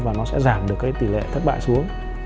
và nó sẽ giảm được cái tỷ lệ thất bại xuống